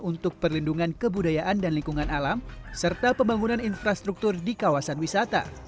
untuk perlindungan kebudayaan dan lingkungan alam serta pembangunan infrastruktur di kawasan wisata